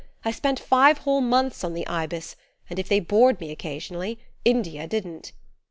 I spent five whole months on the Ibis, and if they bored me occasionally, India didn't."